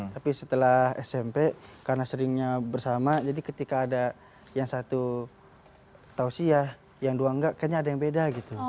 tapi setelah smp karena seringnya bersama jadi ketika ada yang satu tausiyah yang dua enggak kayaknya ada yang beda gitu